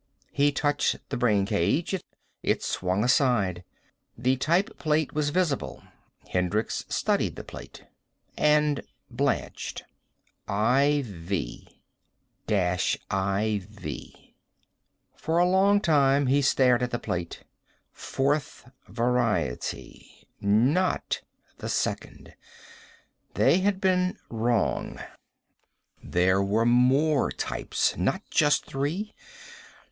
He touched the brain cage. It swung aside. The type plate was visible. Hendricks studied the plate. And blanched. IV IV. For a long time he stared at the plate. Fourth Variety. Not the Second. They had been wrong. There were more types. Not just three.